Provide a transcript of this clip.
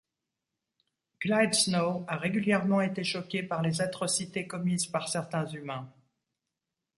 Clyde Snow a régulièrement été choqué par les atrocités commises par certains humains.